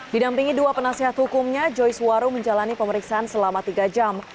didampingi dua penasihat hukumnya joyce waru menjalani pemeriksaan selama tiga jam